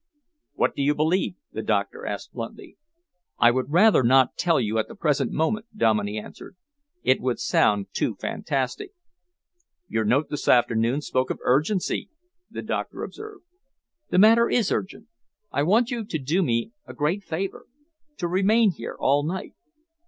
"What do you believe?" the doctor asked bluntly. "I would rather not tell you at the present moment," Dominey answered. "It would sound too fantastic." "Your note this afternoon spoke of urgency," the doctor observed. "The matter is urgent. I want you to do me a great favour to remain here all night."